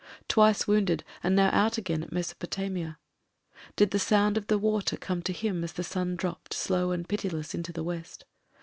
Twice wounded, and now out again in Mesopotamia. Did the sound of the water come to him as the sun dropped, slow and pitiless, into the west?